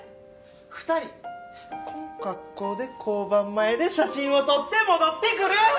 ２人こん格好で交番前で写真を撮って戻ってくる！